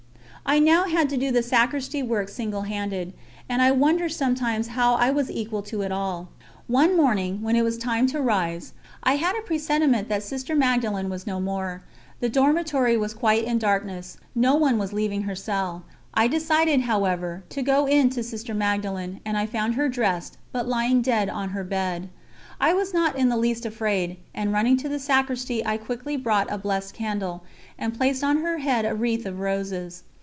I now had to do the Sacristy work single handed, and I wonder sometimes how I was equal to it all. One morning, when it was time to rise, I had a presentiment that Sister Magdalen was no more. The dormitory was quite in darkness, no one was leaving her cell. I decided, however, to go in to Sister Magdalen, and I found her dressed, but lying dead on her bed. I was not in the least afraid, and running to the Sacristy I quickly brought a blessed candle, and placed on her head a wreath of roses.